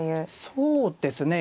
そうですね。